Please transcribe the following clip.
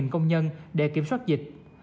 hai mươi công nhân để kiểm soát dịch